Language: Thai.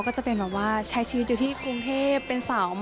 ก็เป็นคล้ายเหมือนแบบ